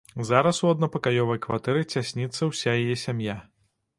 Зараз у аднапакаёвай кватэры цясніцца ўся яе сям'я.